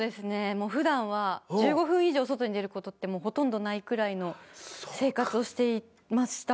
普段は１５分以上外に出ることってほとんどないくらいの生活をしてましたので。